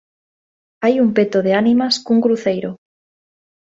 Hai un peto de ánimas cun cruceiro.